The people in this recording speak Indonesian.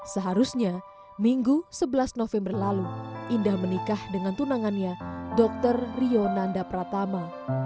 seharusnya minggu sebelas november lalu indah menikah dengan tunangannya dr rio nanda pratama